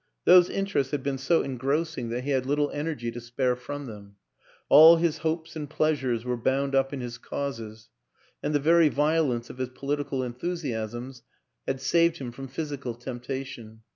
Those interests had been so engrossing that he WILLIAM AN ENGLISHMAN 251 had little energy to spare from them; all his hopes and pleasures were bound up in his " causes," and the very violence of his political enthusiasms had saved him from physical temptation.